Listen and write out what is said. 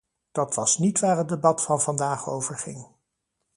Dat was niet waar het debat van vandaag over ging.